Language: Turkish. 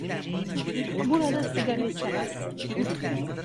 Burada sigara içemezsin.